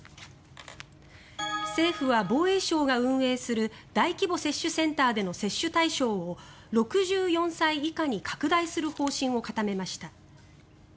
政府は防衛省が運営する大規模接種センターでの接種対象を６４歳以下に拡大する方針を固めました。